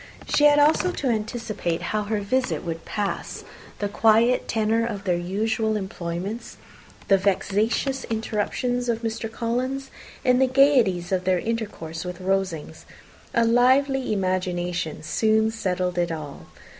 She had also to anticipate how her visit would pass, the quiet tenour of their usual employments, the vexatious interruptions of Mr. Collins, and the gaieties of their intercourse with Rosings. A lively imagination soon settled it all.